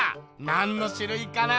なんのしゅるいかな？